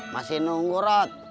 masih nunggu rod